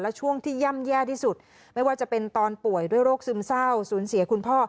และช่วงที่ย่ำแย่ที่สุดไม่ว่าจะเป็นตอนป่วยด้วยโรคซึมเศร้าสูญเสียคุณพ่อ